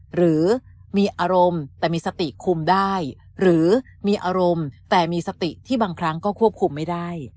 หรือมีอารมณ์แต่มีสติคุมได้หรือมีอารมณ์แต่มีสติที่บางครั้งก็ควบคุมไม่ได้